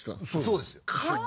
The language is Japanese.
そうですよ。